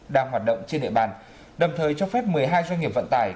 đang hoạt động trên địa bàn đồng thời cho phép một mươi hai doanh nghiệp vận tải